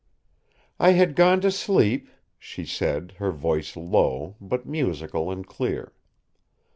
"I had gone to sleep," she said, her voice low, but musical and clear.